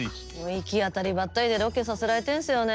行き当たりばったりでロケさせられてんすよね。